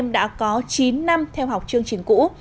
đã có chín năm theo học chương trình cũ